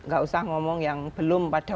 gak usah ngomong yang belum pada